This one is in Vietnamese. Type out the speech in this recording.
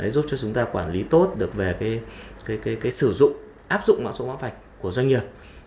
giúp cho chúng ta quản lý tốt được về sử dụng áp dụng mã số hóa vạch của doanh nghiệp